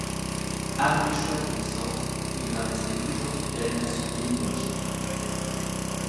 Ardéchois de naissance, il va rester toujours fidèle à son pays d'origine.